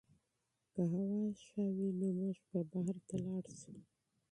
که هوا ښه وي نو موږ به بهر ته لاړ شو.